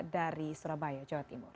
dari surabaya jawa timur